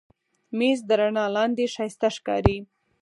مېز د رڼا لاندې ښایسته ښکاري.